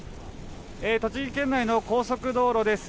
栃木県内の高速道路です。